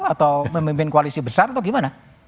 atau memimpin koalisi besar atau gimana